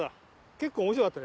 結構面白かった。